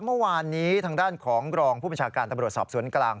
เมื่อวานนี้ทางด้านของรองผู้บัญชาการตำรวจสอบสวนกลาง